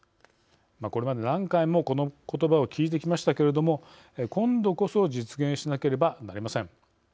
これまで何回もこのことばを聞いてきましたけれども今度こそ実現しなければなりません。